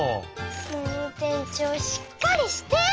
もうてんちょうしっかりして！